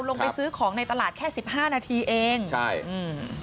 ลงไปซื้อของในตลาดแค่สิบห้านาทีเองใช่อืม